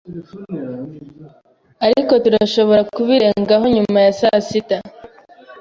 ariko turashobora kubirengaho nyuma ya sasita.